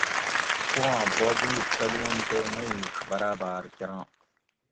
پواں بوب ئ تلون تے مٞیٔیڄ براٞباٞر کراں